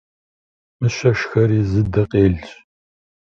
Мыщэ шхэри зы дэ къелщ.